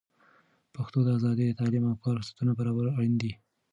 ښځو ته د آزادۍ، تعلیم او کار فرصتونه برابرول اړین دي.